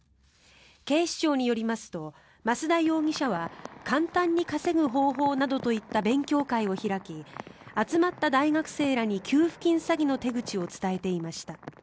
警視庁によりますと増田容疑者は簡単に稼ぐ方法などといった勉強会を開き集まった大学生らに給付金詐欺の手口を伝えていました。